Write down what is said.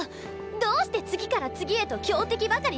どうして次から次へと強敵ばかり来るのよ！